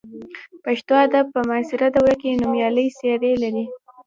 پښتو ادب په معاصره دوره کې نومیالۍ څېرې لري.